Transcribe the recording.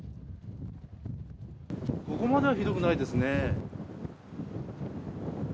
ここまではひどくないですね。